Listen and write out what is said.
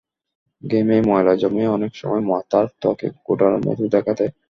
ঘেমে, ময়লা জমে অনেক সময় মাথার ত্বকে গোটার মতো দেখা দেয়।